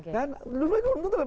dan dulu ini belum tentu